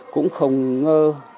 cũng không ngơ